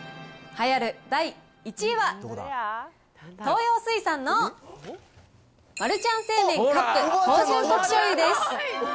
栄えある第１位は、東洋水産のマルちゃん正麺カップ芳醇こく醤油です。